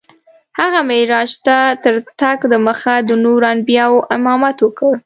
هغه معراج ته تر تګ دمخه د نورو انبیاوو امامت وکړ.